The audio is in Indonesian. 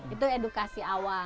itu edukasi awal